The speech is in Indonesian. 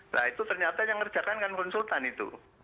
nah itu ternyata yang ngerjakan kan konsultan itu